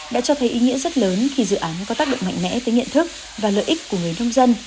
đã cho thấy ý nghĩa rất lớn khi dự án có tác động mạnh mẽ tới nghiện thức và lợi ích của người nông dân